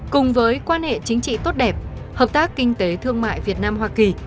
cùng với quan hệ chính trị tốt đẹp hợp tác kinh tế thương mại việt nam hoa kỳ